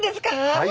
はい。